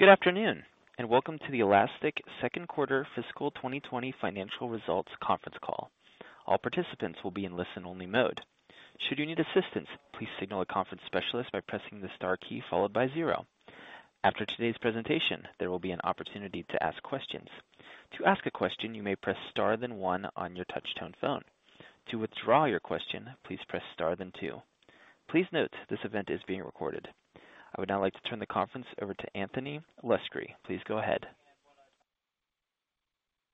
Good afternoon. Welcome to the Elastic second quarter fiscal 2020 financial results conference call. All participants will be in listen-only mode. Should you need assistance, please signal a conference specialist by pressing the star key followed by zero. After today's presentation, there will be an opportunity to ask questions. To ask a question, you may press star, then one on your touch-tone phone. To withdraw your question, please press star, then two. Please note this event is being recorded. I would now like to turn the conference over to Anthony Luscri. Please go ahead.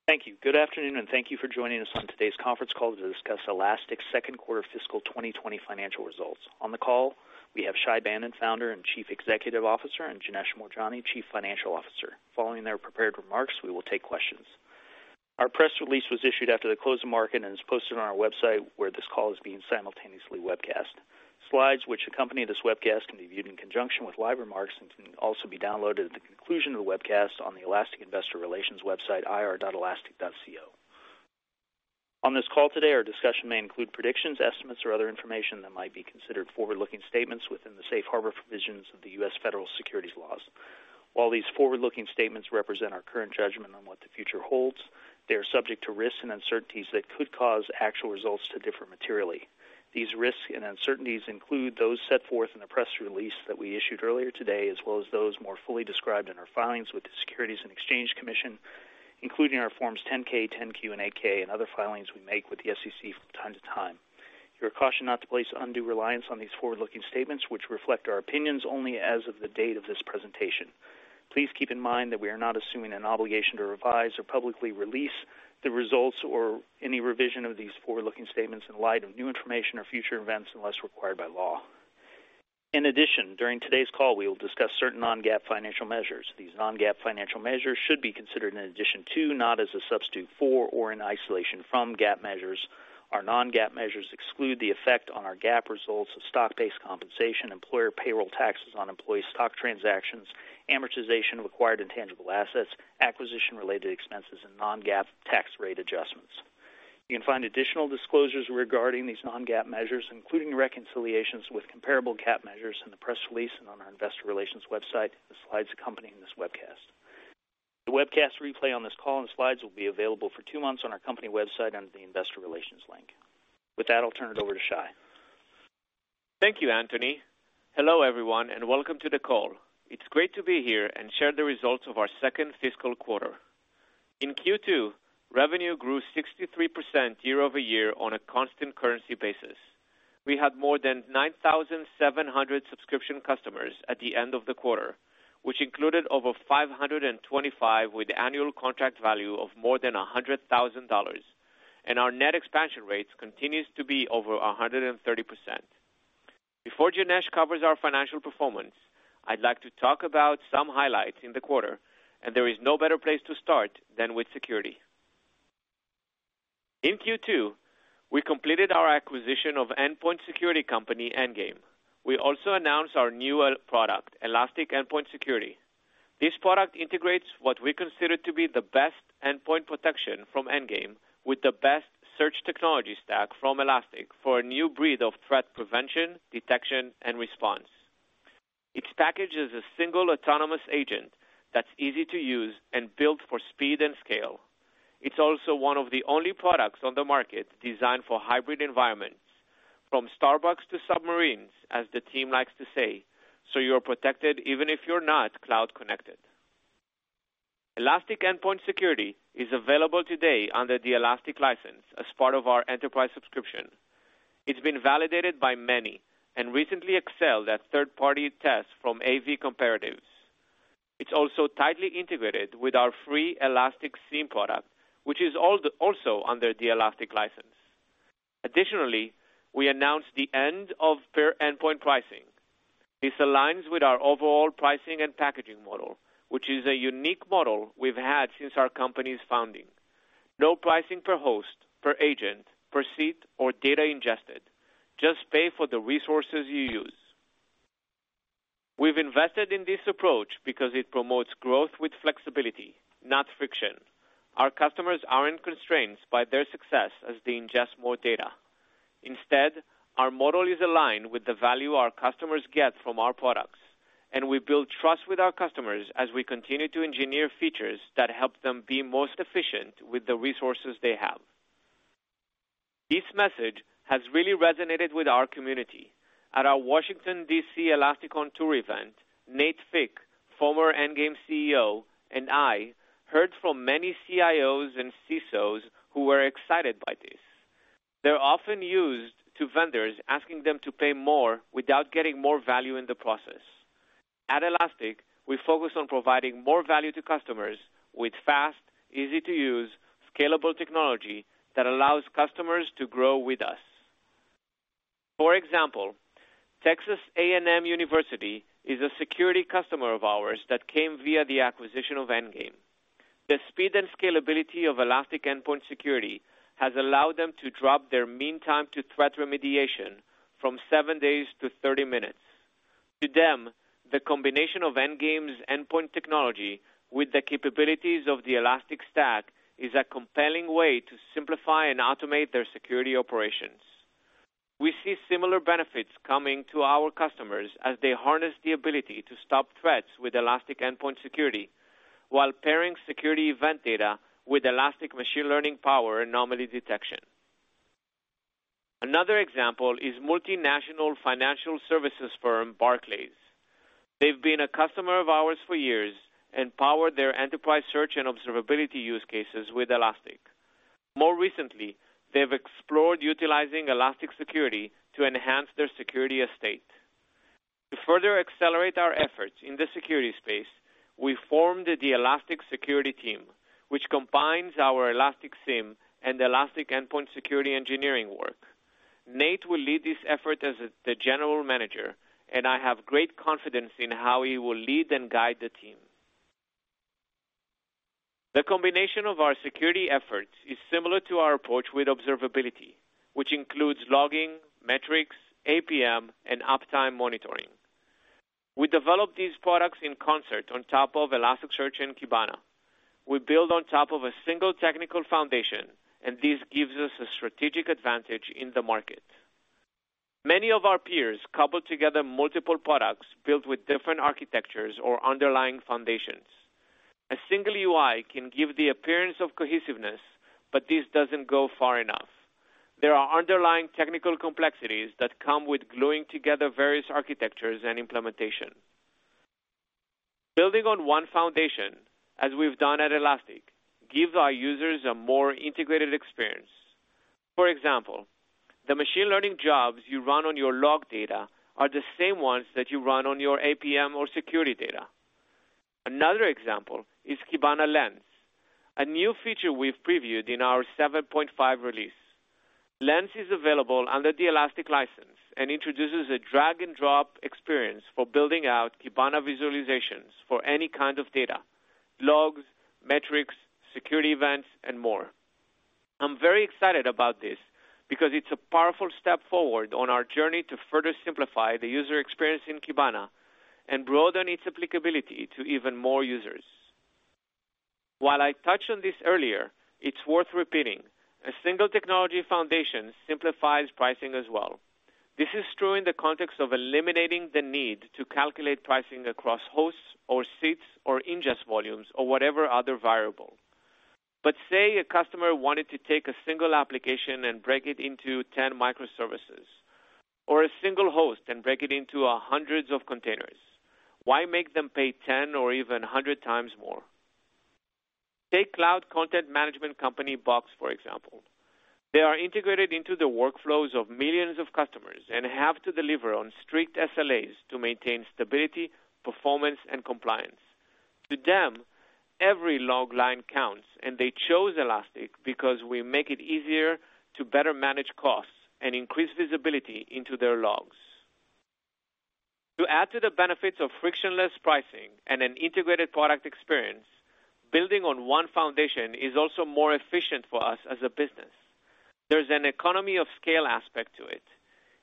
Thank you. Good afternoon, thank you for joining us on today's conference call to discuss Elastic's second quarter fiscal 2020 financial results. On the call, we have Shay Banon, Founder and Chief Executive Officer, and Janesh Moorjani, Chief Financial Officer. Following their prepared remarks, we will take questions. Our press release was issued after the close of market and is posted on our website where this call is being simultaneously webcast. Slides which accompany this webcast can be viewed in conjunction with live remarks and can also be downloaded at the conclusion of the webcast on the Elastic investor relations website, ir.elastic.co. On this call today, our discussion may include predictions, estimates, or other information that might be considered forward-looking statements within the safe harbor provisions of the U.S. Federal Securities laws. While these forward-looking statements represent our current judgment on what the future holds, they are subject to risks and uncertainties that could cause actual results to differ materially. These risks and uncertainties include those set forth in the press release that we issued earlier today, as well as those more fully described in our filings with the Securities and Exchange Commission, including our forms 10-K, 10-Q, and 8-K, and other filings we make with the SEC from time to time. You are cautioned not to place undue reliance on these forward-looking statements, which reflect our opinions only as of the date of this presentation. Please keep in mind that we are not assuming any obligation to revise or publicly release the results or any revision of these forward-looking statements in light of new information or future events, unless required by law. In addition, during today's call, we will discuss certain non-GAAP financial measures. These non-GAAP financial measures should be considered in addition to, not as a substitute for or in isolation from GAAP measures. Our non-GAAP measures exclude the effect on our GAAP results of stock-based compensation, employer payroll taxes on employee stock transactions, amortization of acquired intangible assets, acquisition-related expenses, and non-GAAP tax rate adjustments. You can find additional disclosures regarding these non-GAAP measures, including reconciliations with comparable GAAP measures in the press release and on our investor relations website, the slides accompanying this webcast. The webcast replay on this call and slides will be available for two months on our company website under the investor relations link. With that, I'll turn it over to Shay. Thank you, Anthony. Hello, everyone, welcome to the call. It's great to be here and share the results of our second fiscal quarter. In Q2, revenue grew 63% year-over-year on a constant currency basis. We had more than 9,700 subscription customers at the end of the quarter, which included over 525 with annual contract value of more than $100,000, our net expansion rates continues to be over 130%. Before Janesh covers our financial performance, I'd like to talk about some highlights in the quarter, there is no better place to start than with security. In Q2, we completed our acquisition of endpoint security company, Endgame. We also announced our new product, Elastic Endpoint Security. This product integrates what we consider to be the best endpoint protection from Endgame with the best search technology stack from Elastic for a new breed of threat prevention, detection, and response. It packages a single autonomous agent that's easy to use and built for speed and scale. It's also one of the only products on the market designed for hybrid environments, from Starbucks to submarines, as the team likes to say, so you're protected even if you're not cloud-connected. Elastic Endpoint Security is available today under the Elastic License as part of our enterprise subscription. It's been validated by many and recently excelled at third-party tests from AV-Comparatives. It's also tightly integrated with our free Elastic SIEM product, which is also under the Elastic License. Additionally, we announced the end of per-endpoint pricing. This aligns with our overall pricing and packaging model, which is a unique model we've had since our company's founding. No pricing per host, per agent, per seat, or data ingested. Just pay for the resources you use. We've invested in this approach because it promotes growth with flexibility, not friction. Our customers aren't constrained by their success as they ingest more data. Instead, our model is aligned with the value our customers get from our products, and we build trust with our customers as we continue to engineer features that help them be most efficient with the resources they have. This message has really resonated with our community. At our Washington, D.C., ElasticON tour event, Nate Fick, former Endgame CEO, and I heard from many CIOs and CSOs who were excited by this. They're often used to vendors asking them to pay more without getting more value in the process. At Elastic, we focus on providing more value to customers with fast, easy-to-use, scalable technology that allows customers to grow with us. For example, Texas A&M University is a security customer of ours that came via the acquisition of Endgame. The speed and scalability of Elastic Endpoint Security has allowed them to drop their meantime to threat remediation from seven days to 30 minutes. To them, the combination of Endgame's endpoint technology with the capabilities of the Elastic Stack is a compelling way to simplify and automate their security operations. We see similar benefits coming to our customers as they harness the ability to stop threats with Elastic Endpoint Security, while pairing security event data with Elastic machine learning power anomaly detection. Another example is multinational financial services firm, Barclays. They've been a customer of ours for years and power their enterprise search and observability use cases with Elastic. More recently, they've explored utilizing Elastic Security to enhance their security estate. To further accelerate our efforts in the security space, we formed the Elastic Security Team, which combines our Elastic SIEM and Elastic Endpoint Security engineering work. Nate will lead this effort as the general manager, and I have great confidence in how he will lead and guide the team. The combination of our security efforts is similar to our approach with observability, which includes logging, metrics, APM, and uptime monitoring. We developed these products in concert on top of Elasticsearch and Kibana. We build on top of a single technical foundation, and this gives us a strategic advantage in the market. Many of our peers cobbled together multiple products built with different architectures or underlying foundations. A single UI can give the appearance of cohesiveness, but this doesn't go far enough. There are underlying technical complexities that come with gluing together various architectures and implementation. Building on one foundation, as we've done at Elastic, gives our users a more integrated experience. For example, the machine learning jobs you run on your log data are the same ones that you run on your APM or security data. Another example is Kibana Lens, a new feature we've previewed in our 7.5 release. Lens is available under the Elastic License and introduces a drag-and-drop experience for building out Kibana visualizations for any kind of data, logs, metrics, security events, and more. I'm very excited about this because it's a powerful step forward on our journey to further simplify the user experience in Kibana and broaden its applicability to even more users. While I touched on this earlier, it's worth repeating. A single technology foundation simplifies pricing as well. This is true in the context of eliminating the need to calculate pricing across hosts or seats or ingest volumes or whatever other variable. Say a customer wanted to take a single application and break it into 10 microservices, or a single host and break it into hundreds of containers. Why make them pay 10 or even 100 times more? Take cloud content management company Box, for example. They are integrated into the workflows of millions of customers and have to deliver on strict SLAs to maintain stability, performance, and compliance. To them, every log line counts, and they chose Elastic because we make it easier to better manage costs and increase visibility into their logs. To add to the benefits of frictionless pricing and an integrated product experience, building on one foundation is also more efficient for us as a business. There's an economy of scale aspect to it.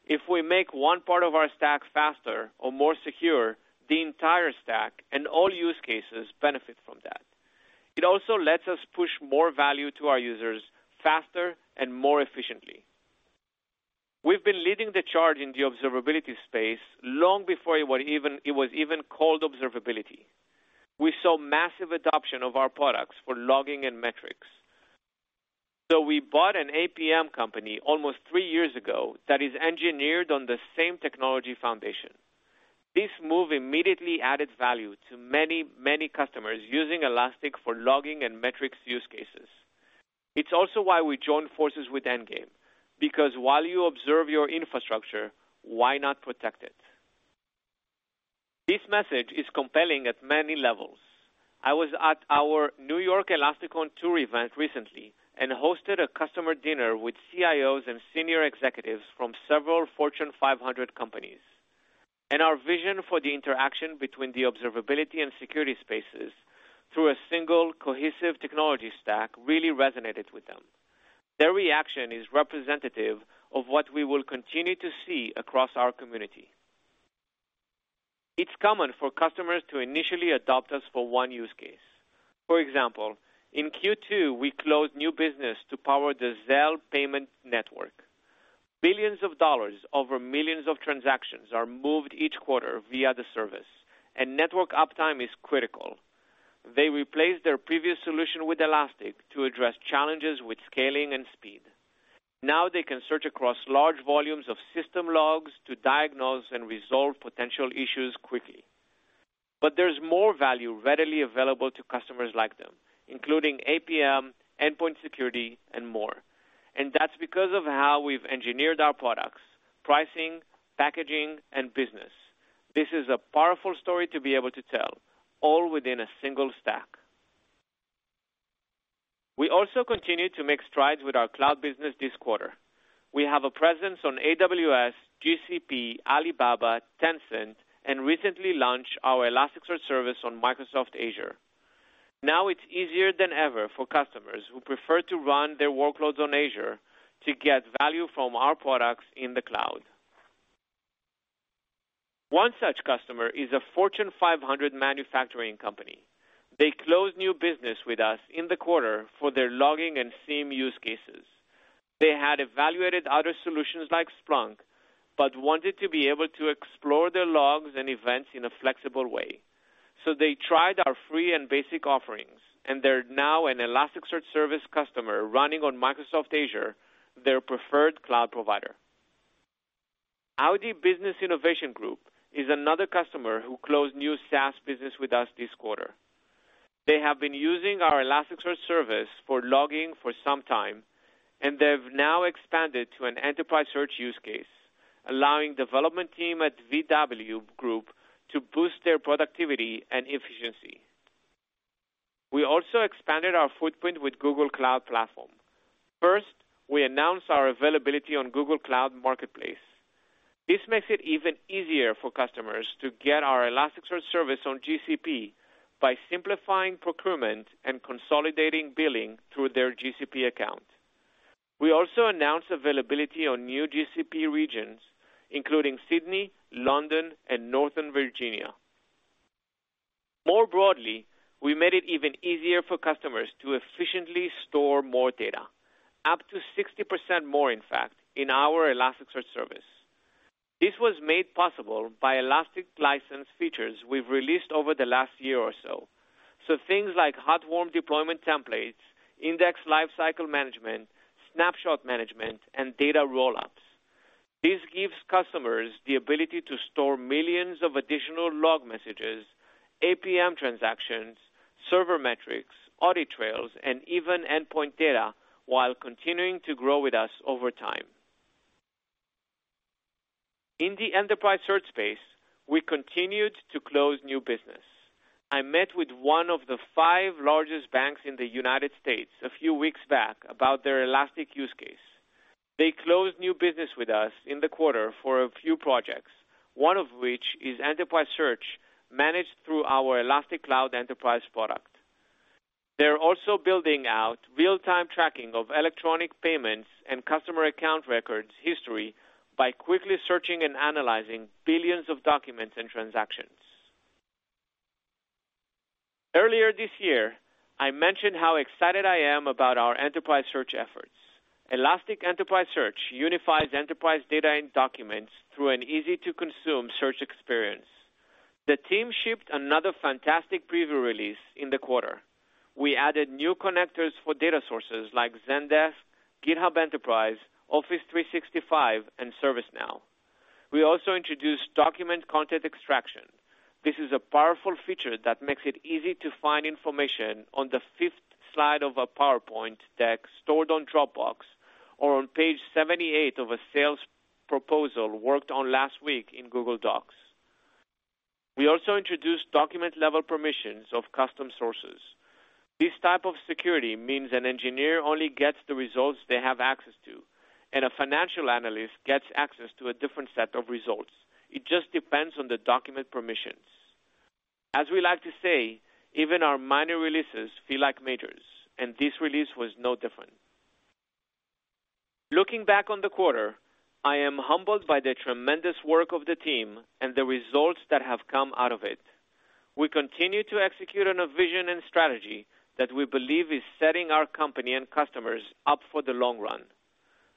If we make one part of our stack faster or more secure, the entire stack and all use cases benefit from that. It also lets us push more value to our users faster and more efficiently. We've been leading the charge in the observability space long before it was even called observability. We saw massive adoption of our products for logging and metrics. We bought an APM company almost three years ago that is engineered on the same technology foundation. This move immediately added value to many, many customers using Elastic for logging and metrics use cases. It's also why we joined forces with Endgame, because while you observe your infrastructure, why not protect it? This message is compelling at many levels. I was at our New York ElasticON tour event recently and hosted a customer dinner with CIOs and senior executives from several Fortune 500 companies, and our vision for the interaction between the observability and security spaces through a single, cohesive technology stack really resonated with them. Their reaction is representative of what we will continue to see across our community. It's common for customers to initially adopt us for one use case. For example, in Q2, we closed new business to power the Zelle payment network. Billions of dollars over millions of transactions are moved each quarter via the service, and network uptime is critical. They replaced their previous solution with Elastic to address challenges with scaling and speed. Now they can search across large volumes of system logs to diagnose and resolve potential issues quickly. There's more value readily available to customers like them, including APM, endpoint security, and more. That's because of how we've engineered our products, pricing, packaging, and business. This is a powerful story to be able to tell, all within a single stack. We also continued to make strides with our cloud business this quarter. We have a presence on AWS, GCP, Alibaba, Tencent, and recently launched our Elasticsearch Service on Microsoft Azure. It's easier than ever for customers who prefer to run their workloads on Azure to get value from our products in the cloud. One such customer is a Fortune 500 manufacturing company. They closed new business with us in the quarter for their logging and SIEM use cases. They had evaluated other solutions like Splunk, but wanted to be able to explore their logs and events in a flexible way. They tried our free and basic offerings, and they're now an Elasticsearch Service customer running on Microsoft Azure, their preferred cloud provider. Audi Business Innovation GmbH is another customer who closed new SaaS business with us this quarter. They have been using our Elasticsearch Service for logging for some time, and they've now expanded to an enterprise search use case, allowing development team at VW Group to boost their productivity and efficiency. We also expanded our footprint with Google Cloud Platform. First, we announced our availability on Google Cloud Marketplace. This makes it even easier for customers to get our Elasticsearch Service on GCP by simplifying procurement and consolidating billing through their GCP account. We also announced availability on new GCP regions, including Sydney, London, and Northern Virginia. More broadly, we made it even easier for customers to efficiently store more data, up to 60% more, in fact, in our Elasticsearch Service. This was made possible by Elastic License features we've released over the last year or so. Things like hot-warm deployment templates, index lifecycle management, snapshot management, and data roll-ups. This gives customers the ability to store millions of additional log messages, APM transactions, server metrics, audit trails, and even endpoint data, while continuing to grow with us over time. In the Enterprise Search space, we continued to close new business. I met with one of the five largest banks in the U.S. a few weeks back about their Elastic use case. They closed new business with us in the quarter for a few projects, one of which is Enterprise Search managed through our Elastic Cloud Enterprise product. They're also building out real-time tracking of electronic payments and customer account records history by quickly searching and analyzing billions of documents and transactions. Earlier this year, I mentioned how excited I am about our Enterprise Search efforts. Elastic Enterprise Search unifies enterprise data and documents through an easy-to-consume search experience. The team shipped another fantastic preview release in the quarter. We added new connectors for data sources like Zendesk, GitHub Enterprise, Office 365, and ServiceNow. We also introduced document content extraction. This is a powerful feature that makes it easy to find information on the fifth slide of a PowerPoint deck stored on Dropbox, or on page 78 of a sales proposal worked on last week in Google Docs. We also introduced document-level permissions of custom sources. This type of security means an engineer only gets the results they have access to, and a financial analyst gets access to a different set of results. It just depends on the document permissions. As we like to say, even our minor releases feel like majors, and this release was no different. Looking back on the quarter, I am humbled by the tremendous work of the team and the results that have come out of it. We continue to execute on a vision and strategy that we believe is setting our company and customers up for the long run.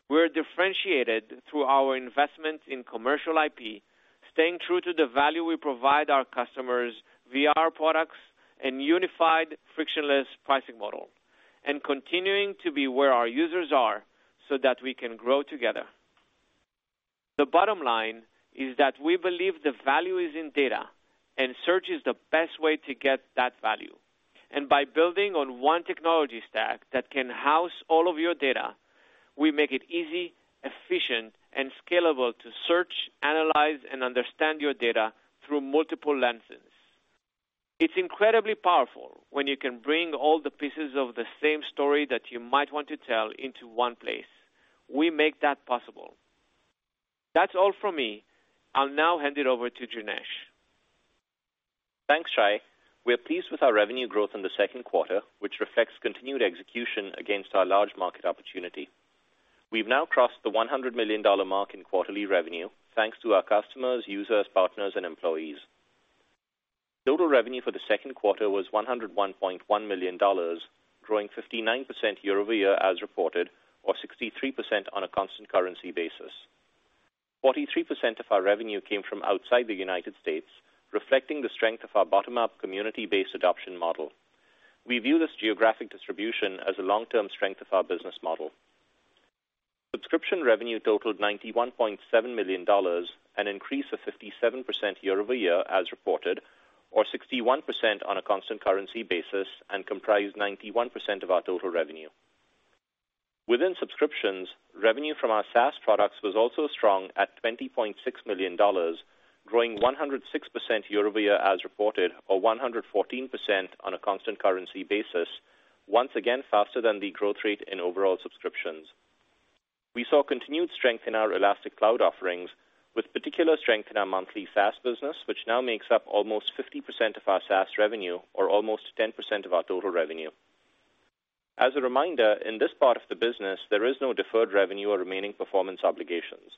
We're differentiated through our investments in commercial IP, staying true to the value we provide our customers via our products and unified frictionless pricing model, and continuing to be where our users are so that we can grow together. The bottom line is that we believe the value is in data, and search is the best way to get that value. By building on one technology stack that can house all of your data, we make it easy, efficient, and scalable to search, analyze, and understand your data through multiple lenses. It's incredibly powerful when you can bring all the pieces of the same story that you might want to tell into one place. We make that possible. That's all from me. I'll now hand it over to Janesh. Thanks, Shay. We're pleased with our revenue growth in the second quarter, which reflects continued execution against our large market opportunity. We've now crossed the $100 million mark in quarterly revenue, thanks to our customers, users, partners, and employees. Total revenue for the second quarter was $101.1 million, growing 59% year-over-year as reported, or 63% on a constant currency basis. 43% of our revenue came from outside the U.S., reflecting the strength of our bottom-up community-based adoption model. We view this geographic distribution as a long-term strength of our business model. Subscription revenue totaled $91.7 million, an increase of 57% year-over-year as reported, or 61% on a constant currency basis, and comprised 91% of our total revenue. Within subscriptions, revenue from our SaaS products was also strong at $20.6 million, growing 106% year-over-year as reported, or 114% on a constant currency basis, once again faster than the growth rate in overall subscriptions. We saw continued strength in our Elastic Cloud offerings, with particular strength in our monthly SaaS business, which now makes up almost 50% of our SaaS revenue or almost 10% of our total revenue. As a reminder, in this part of the business, there is no deferred revenue or remaining performance obligations.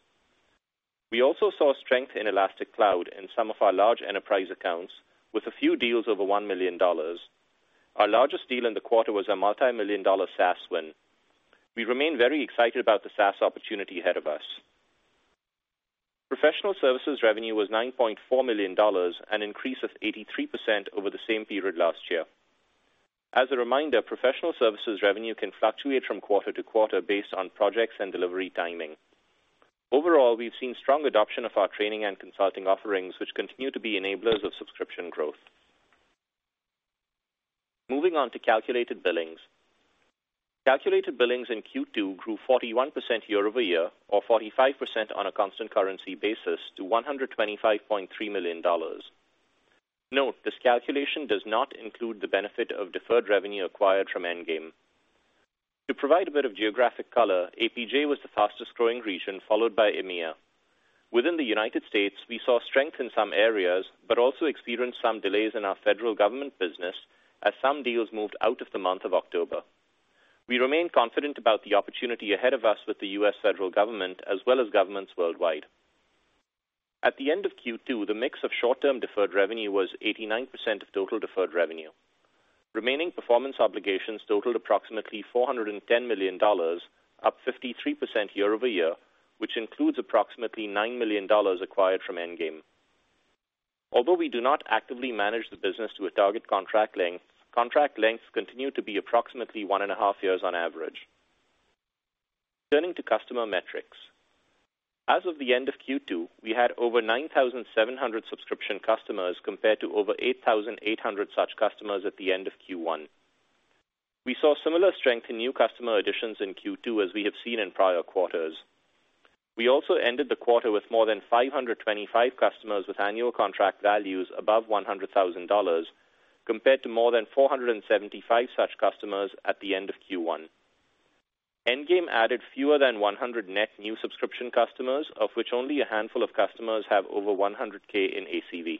We also saw strength in Elastic Cloud in some of our large enterprise accounts, with a few deals over $1 million. Our largest deal in the quarter was a multimillion-dollar SaaS win. We remain very excited about the SaaS opportunity ahead of us. Professional services revenue was $9.4 million, an increase of 83% over the same period last year. As a reminder, professional services revenue can fluctuate from quarter to quarter based on projects and delivery timing. Overall, we've seen strong adoption of our training and consulting offerings, which continue to be enablers of subscription growth. Moving on to calculated billings. Calculated billings in Q2 grew 41% year-over-year or 45% on a constant currency basis to $125.3 million. Note, this calculation does not include the benefit of deferred revenue acquired from Endgame. To provide a bit of geographic color, APJ was the fastest-growing region, followed by EMEA. Within the United States, we saw strength in some areas, but also experienced some delays in our federal government business as some deals moved out of the month of October. We remain confident about the opportunity ahead of us with the U.S. federal government, as well as governments worldwide. At the end of Q2, the mix of short-term deferred revenue was 89% of total deferred revenue. Remaining performance obligations totaled approximately $410 million, up 53% year-over-year, which includes approximately $9 million acquired from Endgame. Although we do not actively manage the business to a target contract length, contract lengths continue to be approximately one and a half years on average. Turning to customer metrics. As of the end of Q2, we had over 9,700 subscription customers, compared to over 8,800 such customers at the end of Q1. We saw similar strength in new customer additions in Q2 as we have seen in prior quarters. We also ended the quarter with more than 525 customers with annual contract values above $100,000, compared to more than 475 such customers at the end of Q1. Endgame added fewer than 100 net new subscription customers, of which only a handful of customers have over 100K in ACV.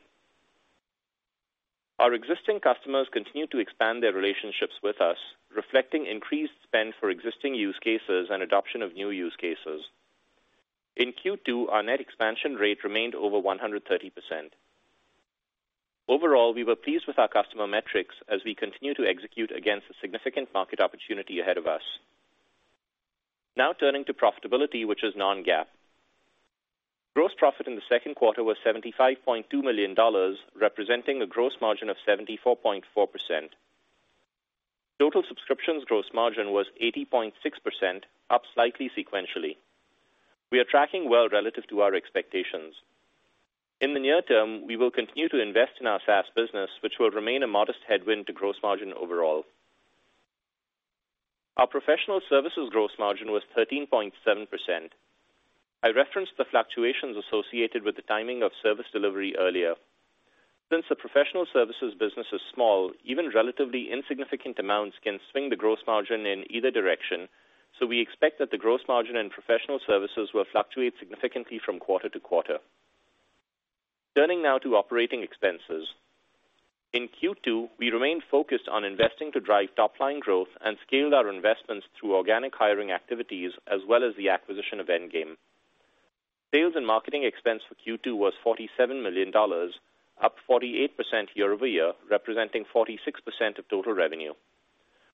Our existing customers continue to expand their relationships with us, reflecting increased spend for existing use cases and adoption of new use cases. In Q2, our net expansion rate remained over 130%. Overall, we were pleased with our customer metrics as we continue to execute against a significant market opportunity ahead of us. Turning to profitability, which is non-GAAP. Gross profit in the second quarter was $75.2 million, representing a gross margin of 74.4%. Total subscriptions gross margin was 80.6%, up slightly sequentially. We are tracking well relative to our expectations. In the near term, we will continue to invest in our SaaS business, which will remain a modest headwind to gross margin overall. Our professional services gross margin was 13.7%. I referenced the fluctuations associated with the timing of service delivery earlier. Since the professional services business is small, even relatively insignificant amounts can swing the gross margin in either direction, so we expect that the gross margin and professional services will fluctuate significantly from quarter to quarter. Turning now to operating expenses. In Q2, we remained focused on investing to drive top-line growth and scaled our investments through organic hiring activities as well as the acquisition of Endgame. Sales and marketing expense for Q2 was $47 million, up 48% year-over-year, representing 46% of total revenue.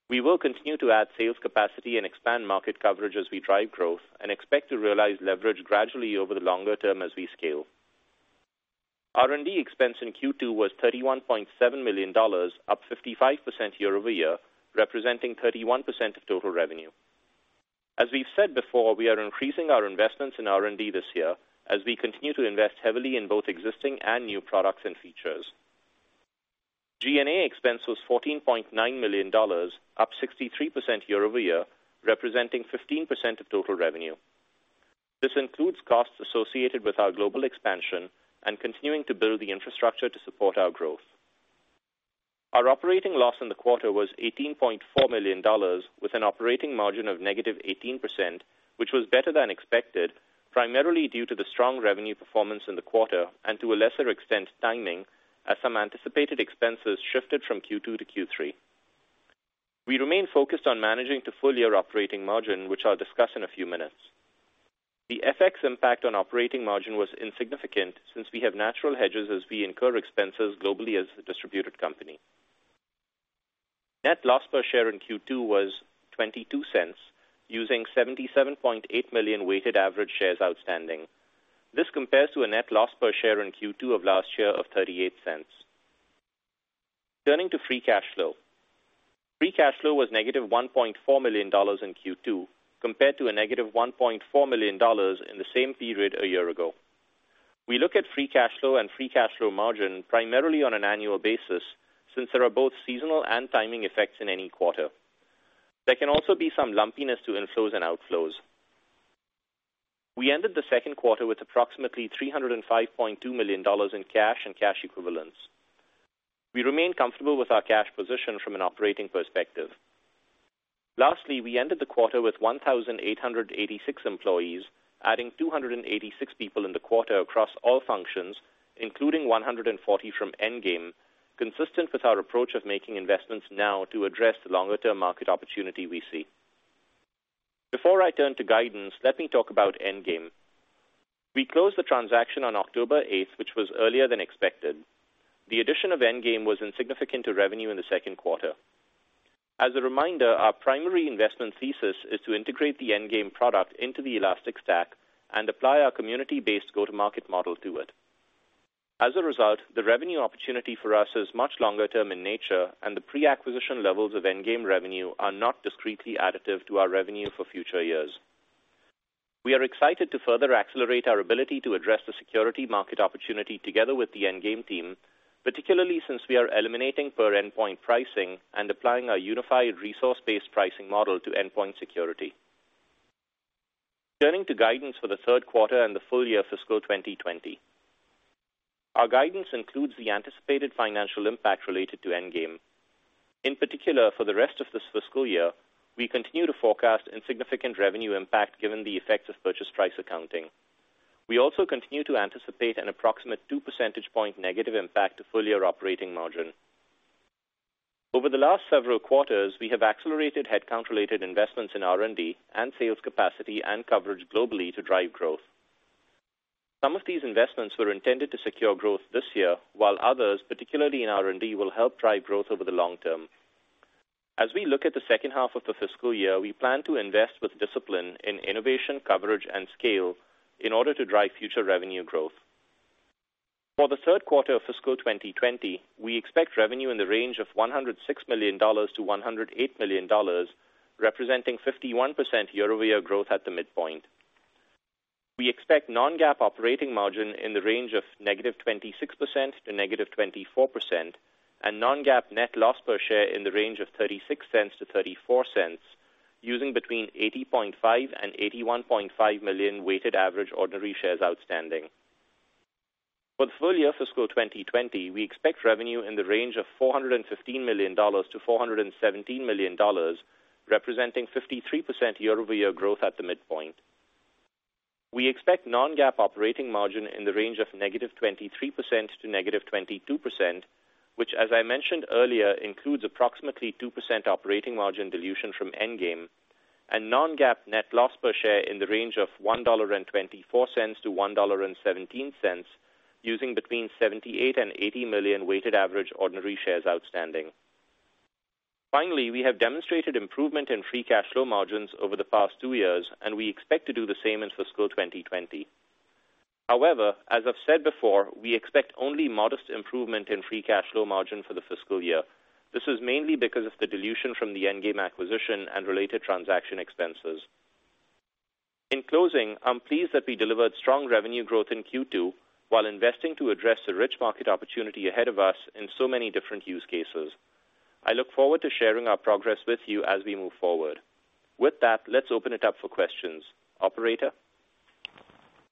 We will continue to add sales capacity and expand market coverage as we drive growth and expect to realize leverage gradually over the longer term as we scale. R&D expense in Q2 was $31.7 million, up 55% year-over-year, representing 31% of total revenue. As we've said before, we are increasing our investments in R&D this year as we continue to invest heavily in both existing and new products and features. G&A expense was $14.9 million, up 63% year-over-year, representing 15% of total revenue. This includes costs associated with our global expansion and continuing to build the infrastructure to support our growth. Our operating loss in the quarter was $18.4 million, with an operating margin of negative 18%, which was better than expected, primarily due to the strong revenue performance in the quarter and, to a lesser extent, timing, as some anticipated expenses shifted from Q2 to Q3. We remain focused on managing to full year operating margin, which I'll discuss in a few minutes. The FX impact on operating margin was insignificant since we have natural hedges as we incur expenses globally as a distributed company. Net loss per share in Q2 was $0.22, using 77.8 million weighted average shares outstanding. This compares to a net loss per share in Q2 of last year of $0.38. Turning to free cash flow. Free cash flow was negative $1.4 million in Q2, compared to a negative $1.4 million in the same period a year ago. We look at free cash flow and free cash flow margin primarily on an annual basis, since there are both seasonal and timing effects in any quarter. There can also be some lumpiness to inflows and outflows. We ended the second quarter with approximately $305.2 million in cash and cash equivalents. We remain comfortable with our cash position from an operating perspective. Lastly, we ended the quarter with 1,886 employees, adding 286 people in the quarter across all functions, including 140 from Endgame, consistent with our approach of making investments now to address the longer-term market opportunity we see. Before I turn to guidance, let me talk about Endgame. We closed the transaction on October 8th, which was earlier than expected. The addition of Endgame was insignificant to revenue in the second quarter. As a reminder, our primary investment thesis is to integrate the Endgame product into the Elastic Stack and apply our community-based go-to-market model to it. As a result, the revenue opportunity for us is much longer-term in nature, and the pre-acquisition levels of Endgame revenue are not discreetly additive to our revenue for future years. We are excited to further accelerate our ability to address the security market opportunity together with the Endgame team, particularly since we are eliminating per-endpoint pricing and applying our unified resource-based pricing model to endpoint security. Turning to guidance for the third quarter and the full year fiscal 2020. Our guidance includes the anticipated financial impact related to Endgame. In particular, for the rest of this fiscal year, we continue to forecast insignificant revenue impact given the effects of purchase price accounting. We also continue to anticipate an approximate two percentage point negative impact to full-year operating margin. Over the last several quarters, we have accelerated headcount-related investments in R&D and sales capacity and coverage globally to drive growth. Some of these investments were intended to secure growth this year, while others, particularly in R&D, will help drive growth over the long term. As we look at the second half of the fiscal year, we plan to invest with discipline in innovation, coverage, and scale in order to drive future revenue growth. For the third quarter of fiscal 2020, we expect revenue in the range of $106 million to $108 million, representing 51% year-over-year growth at the midpoint. We expect non-GAAP operating margin in the range of negative 26% to negative 24%, and non-GAAP net loss per share in the range of $0.36 to $0.34, using between 80.5 and 81.5 million weighted average ordinary shares outstanding. For the full year fiscal 2020, we expect revenue in the range of $415 million to $417 million, representing 53% year-over-year growth at the midpoint. We expect non-GAAP operating margin in the range of negative 23% to negative 22%, which, as I mentioned earlier, includes approximately 2% operating margin dilution from Endgame, and non-GAAP net loss per share in the range of $1.24 to $1.17, using between 78 and 80 million weighted average ordinary shares outstanding. We have demonstrated improvement in free cash flow margins over the past two years, and we expect to do the same in fiscal 2020. As I've said before, we expect only modest improvement in free cash flow margin for the fiscal year. This is mainly because of the dilution from the Endgame acquisition and related transaction expenses. I'm pleased that we delivered strong revenue growth in Q2 while investing to address the rich market opportunity ahead of us in so many different use cases. I look forward to sharing our progress with you as we move forward. Let's open it up for questions. Operator?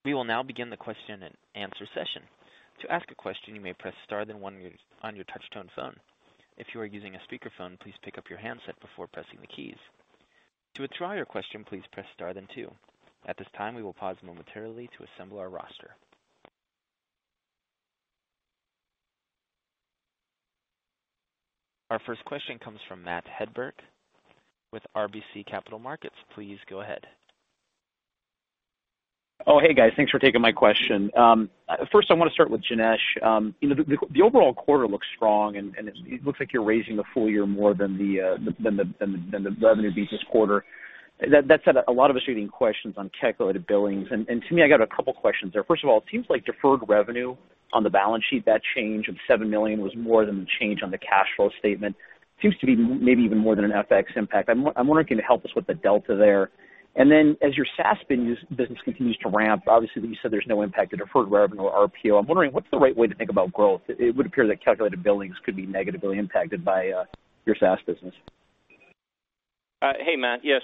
We will now begin the question and answer session. To ask a question, you may press star then one on your touch-tone phone. If you are using a speakerphone, please pick up your handset before pressing the keys. To withdraw your question, please press star then two. At this time, we will pause momentarily to assemble our roster. Our first question comes from Matt Hedberg with RBC Capital Markets. Please go ahead. Oh, hey, guys. Thanks for taking my question. First, I want to start with Janesh. The overall quarter looks strong, and it looks like you're raising the full year more than the revenue beats this quarter. That said, a lot of us are getting questions on calculated billings, and to me, I got a couple questions there. First of all, it seems like deferred revenue on the balance sheet, that change of $7 million was more than the change on the cash flow statement. Seems to be maybe even more than an FX impact. I'm wondering if you can help us with the delta there. Then as your SaaS business continues to ramp, obviously, you said there's no impact to deferred revenue or RPO. I'm wondering, what's the right way to think about growth? It would appear that calculated billings could be negatively impacted by your SaaS business. Hey, Matt. Yeah,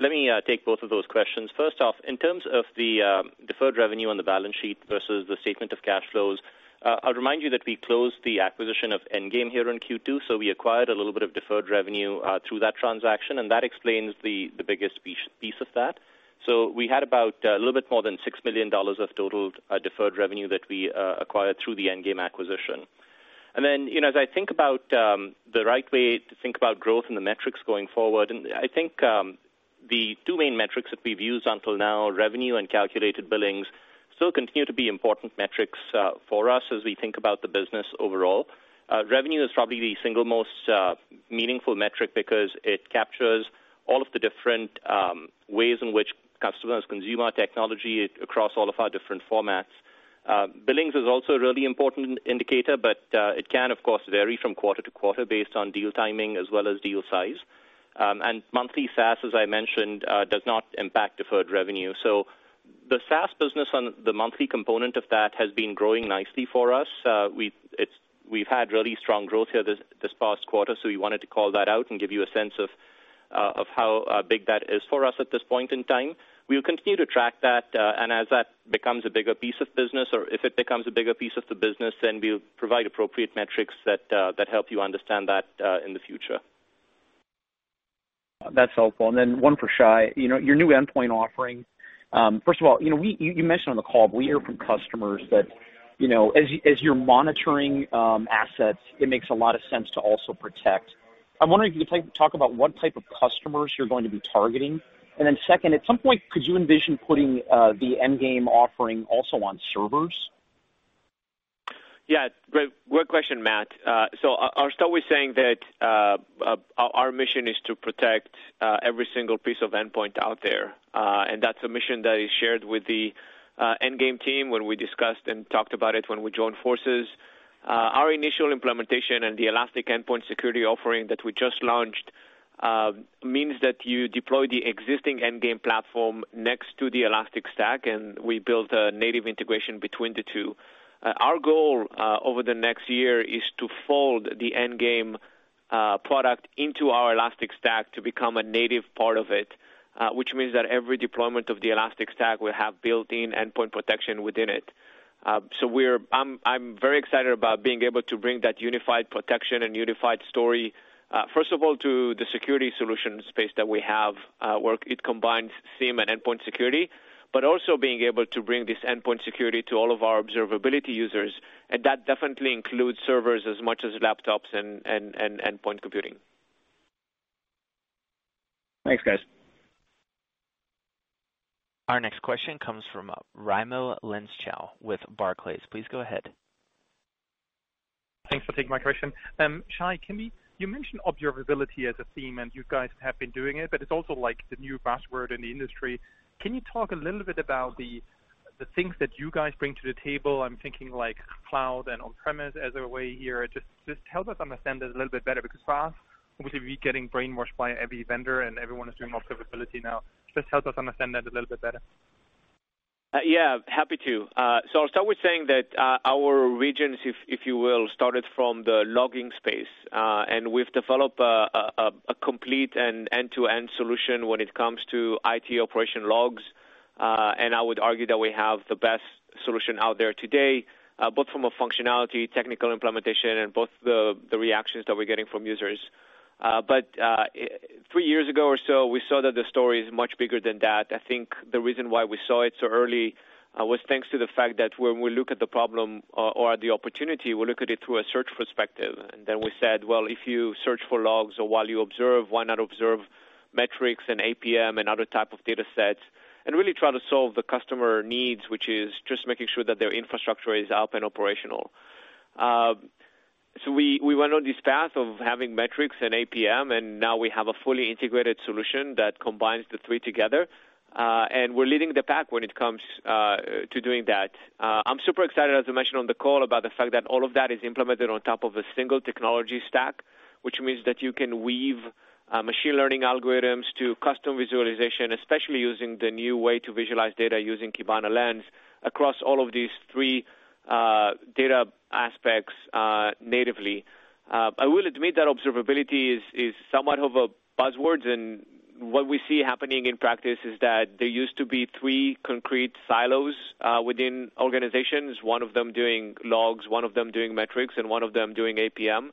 let me take both of those questions. First off, in terms of the deferred revenue on the balance sheet versus the statement of cash flows, I'll remind you that we closed the acquisition of Endgame here in Q2. We acquired a little bit of deferred revenue through that transaction, and that explains the biggest piece of that. We had about a little bit more than $6 million of total deferred revenue that we acquired through the Endgame acquisition. As I think about the right way to think about growth in the metrics going forward, I think the two main metrics that we've used until now, revenue and calculated billings, still continue to be important metrics for us as we think about the business overall. Revenue is probably the single most meaningful metric because it captures all of the different ways in which customers consume our technology across all of our different formats. Billings is also a really important indicator, but it can, of course, vary from quarter to quarter based on deal timing as well as deal size. Monthly SaaS, as I mentioned, does not impact deferred revenue. The SaaS business on the monthly component of that has been growing nicely for us. We've had really strong growth here this past quarter, we wanted to call that out and give you a sense of how big that is for us at this point in time. We'll continue to track that, and as that becomes a bigger piece of business, or if it becomes a bigger piece of the business, then we'll provide appropriate metrics that help you understand that in the future. That's helpful. Then one for Shay. Your new endpoint offering. First of all, you mentioned on the call, we hear from customers that as you're monitoring assets, it makes a lot of sense to also protect. I'm wondering if you could talk about what type of customers you're going to be targeting. Then second, at some point, could you envision putting the Endgame offering also on servers? Yeah. Great question, Matt. I'll start with saying that our mission is to protect every single piece of endpoint out there, and that's a mission that is shared with the Endgame team when we discussed and talked about it when we joined forces. Our initial implementation and the Elastic Endpoint Security offering that we just launched means that you deploy the existing Endgame platform next to the Elastic Stack, and we build a native integration between the two. Our goal over the next year is to fold the Endgame product into our Elastic Stack to become a native part of it, which means that every deployment of the Elastic Stack will have built-in endpoint protection within it. I'm very excited about being able to bring that unified protection and unified story, first of all, to the security solution space that we have, where it combines SIEM and endpoint security, but also being able to bring this endpoint security to all of our observability users, and that definitely includes servers as much as laptops and endpoint computing. Thanks, guys. Our next question comes from Raimo Lenschow with Barclays. Please go ahead. Thanks for taking my question. Shay, you mentioned observability as a theme, and you guys have been doing it, but it's also the new buzzword in the industry. Can you talk a little bit about the things that you guys bring to the table? I'm thinking like cloud and on-premise as a way here. Just help us understand it a little bit better, because for us, obviously, we're getting brainwashed by every vendor and everyone is doing observability now. Just help us understand that a little bit better. Yeah, happy to. I'll start with saying that our origins, if you will, started from the logging space, and we've developed a complete end-to-end solution when it comes to IT operation logs, and I would argue that we have the best solution out there today, both from a functionality, technical implementation, and both the reactions that we're getting from users. Three years ago or so, we saw that the story is much bigger than that. I think the reason why we saw it so early was thanks to the fact that when we look at the problem or the opportunity, we look at it through a search perspective. We said, well, if you search for logs or while you observe, why not observe metrics and APM and other type of datasets and really try to solve the customer needs, which is just making sure that their infrastructure is up and operational. We went on this path of having metrics and APM, and now we have a fully integrated solution that combines the three together, and we're leading the pack when it comes to doing that. I'm super excited, as I mentioned on the call, about the fact that all of that is implemented on top of a single technology stack, which means that you can weave machine learning algorithms to custom visualization, especially using the new way to visualize data using Kibana Lens across all of these three data aspects natively. I will admit that observability is somewhat of a buzzword. What we see happening in practice is that there used to be three concrete silos within organizations, one of them doing logs, one of them doing metrics, and one of them doing APM.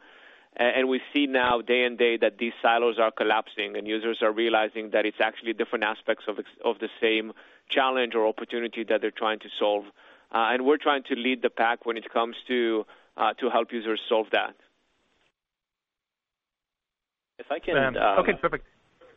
We see now day and day that these silos are collapsing and users are realizing that it's actually different aspects of the same challenge or opportunity that they're trying to solve. We're trying to lead the pack when it comes to help users solve that. If I can- Okay, perfect.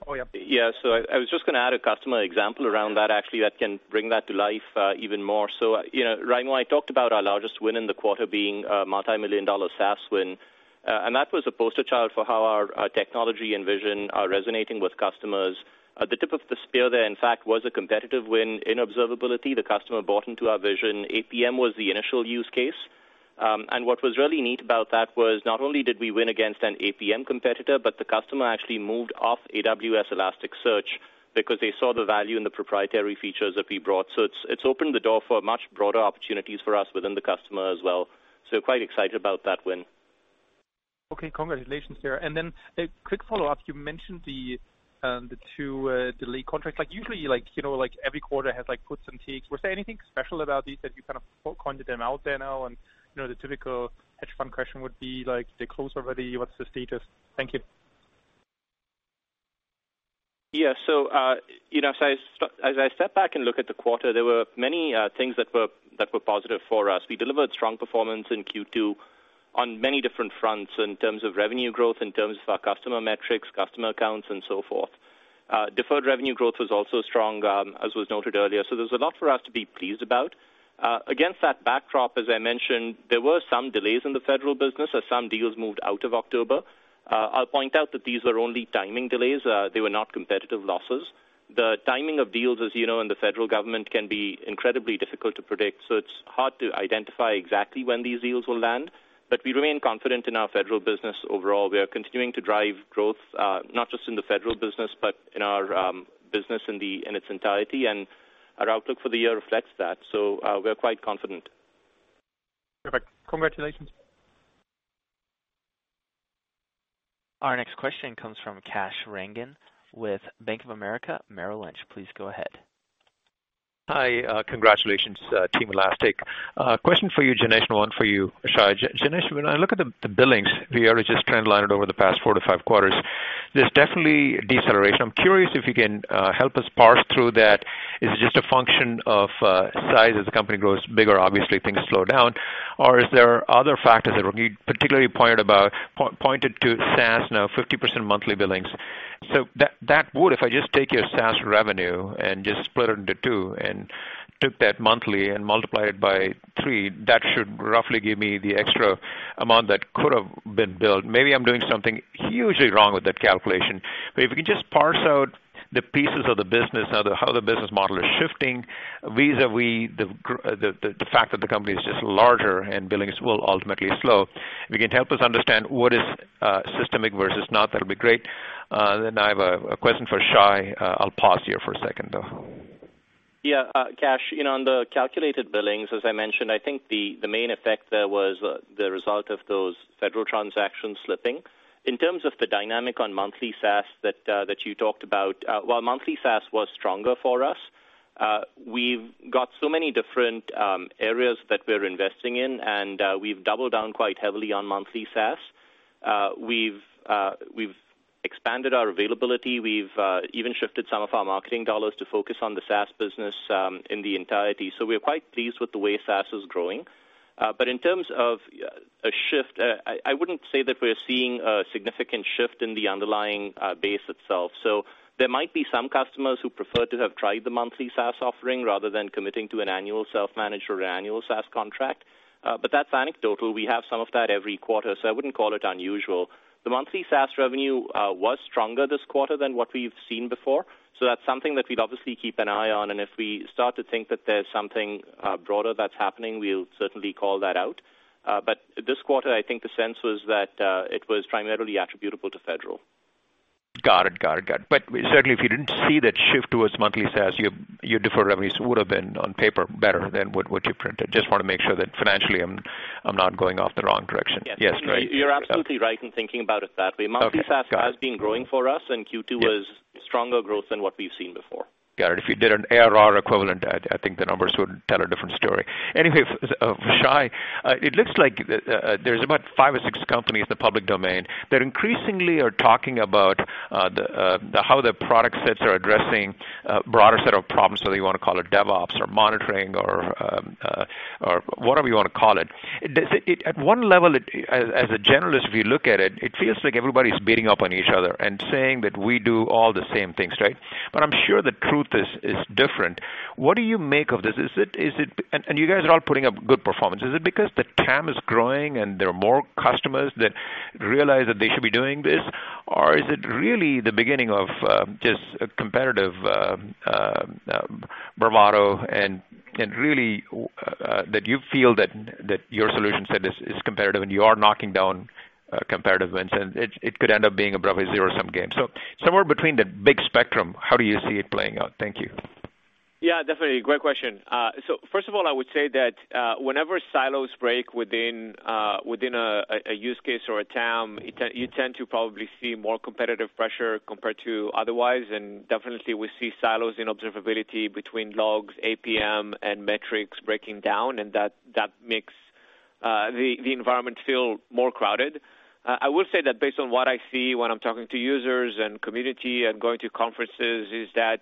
Oh, yeah. Yeah. I was just going to add a customer example around that actually that can bring that to life even more. Raimo, I talked about our largest win in the quarter being a multimillion-dollar SaaS win. That was a poster child for how our technology and vision are resonating with customers. The tip of the spear there, in fact, was a competitive win in observability. The customer bought into our vision. APM was the initial use case. What was really neat about that was not only did we win against an APM competitor, but the customer actually moved off AWS Elasticsearch because they saw the value in the proprietary features that we brought. It's opened the door for much broader opportunities for us within the customer as well. Quite excited about that win. Okay. Congratulations there. A quick follow-up. You mentioned the two delayed contracts. Usually every quarter has puts and takes. Was there anything special about these that you kind of called them out there now, and the typical hedge fund question would be, they close already, what's the status? Thank you. As I step back and look at the quarter, there were many things that were positive for us. We delivered strong performance in Q2 on many different fronts in terms of revenue growth, in terms of our customer metrics, customer accounts, and so forth. Deferred revenue growth was also strong, as was noted earlier. There's a lot for us to be pleased about. Against that backdrop, as I mentioned, there were some delays in the Federal business as some deals moved out of October. I'll point out that these were only timing delays, they were not competitive losses. The timing of deals, as you know, in the Federal government can be incredibly difficult to predict, it's hard to identify exactly when these deals will land. We remain confident in our Federal business overall. We are continuing to drive growth, not just in the Federal business, but in our business in its entirety, and our outlook for the year reflects that. We're quite confident. Perfect. Congratulations. Our next question comes from Kash Rangan with Bank of America Merrill Lynch Hi. Congratulations, Team Elastic. A question for you, Janesh, and one for you, Shay. Janesh, when I look at the billings, we are just trend lined over the past 4 to 5 quarters. There's definitely deceleration. I'm curious if you can help us parse through that. Is it just a function of size? As the company grows bigger, obviously things slow down. Are there other factors that were particularly pointed to SaaS now 50% monthly billings. That would, if I just take your SaaS revenue and just split it into two and took that monthly and multiply it by three, that should roughly give me the extra amount that could have been billed. Maybe I'm doing something hugely wrong with that calculation. If you could just parse out the pieces of the business, how the business model is shifting vis-a-vis the fact that the company is just larger and billings will ultimately slow. If you can help us understand what is systemic versus not, that'll be great. I have a question for Shay. I'll pause here for a second, though. Kash, on the calculated billings, as I mentioned, I think the main effect there was the result of those federal transactions slipping. In terms of the dynamic on monthly SaaS that you talked about, while monthly SaaS was stronger for us, we've got so many different areas that we're investing in, and we've doubled down quite heavily on monthly SaaS. We've expanded our availability. We've even shifted some of our marketing dollars to focus on the SaaS business in the entirety. We're quite pleased with the way SaaS is growing. In terms of a shift, I wouldn't say that we're seeing a significant shift in the underlying base itself. There might be some customers who prefer to have tried the monthly SaaS offering rather than committing to an annual self-managed or annual SaaS contract. That's anecdotal. We have some of that every quarter. I wouldn't call it unusual. The monthly SaaS revenue was stronger this quarter than what we've seen before. That's something that we'd obviously keep an eye on, and if we start to think that there's something broader that's happening, we'll certainly call that out. This quarter, I think the sense was that it was primarily attributable to federal. Got it. Certainly, if you didn't see that shift towards monthly SaaS, your deferred revenues would have been, on paper, better than what you printed. Just want to make sure that financially I'm not going off the wrong direction. Yes. Yes, right. You're absolutely right in thinking about it that way. Okay, got it. Monthly SaaS has been growing for us, and Q2 was stronger growth than what we've seen before. Got it. If you did an ARR equivalent, I think the numbers would tell a different story. Shay, it looks like there's about five or six companies in the public domain that increasingly are talking about how their product sets are addressing a broader set of problems, whether you want to call it DevOps or monitoring or whatever you want to call it. At one level, as a generalist, if you look at it feels like everybody's beating up on each other and saying that we do all the same things, right? I'm sure the truth is different. What do you make of this? You guys are all putting up good performance. Is it because the TAM is growing and there are more customers that realize that they should be doing this? Is it really the beginning of just a competitive bravado and really that you feel that your solution set is competitive and you are knocking down competitive wins and it could end up being a zero-sum game? Somewhere between the big spectrum, how do you see it playing out? Thank you. Yeah, definitely. Great question. First of all, I would say that whenever silos break within a use case or a TAM, you tend to probably see more competitive pressure compared to otherwise. Definitely, we see silos in observability between logs, APM, and metrics breaking down, and that makes the environment feel more crowded. I would say that based on what I see when I'm talking to users and community and going to conferences, is that